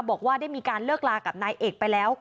บอกว่าได้มีการเลิกลากับนายเอกไปแล้ว